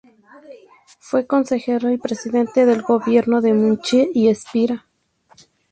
Fue Consejero y Presidente del Gobierno de Múnich y Espira.